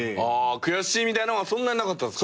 悔しいみたいなのはそんなになかったんすか。